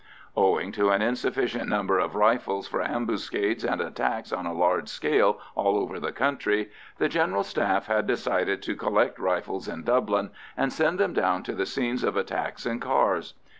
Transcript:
Owing to an insufficient number of rifles for ambuscades and attacks on a large scale all over the country, the General Staff had decided to collect rifles in Dublin and send them down to the scenes of attacks in cars.